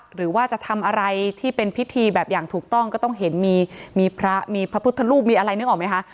หรือว่าจะทำอะไรที่เป็นพิธีแบบอย่างถูกต้องก็ต้องเห็นมีพระมีพระพุทธรูปมีอะไรนึกออกไหมคะ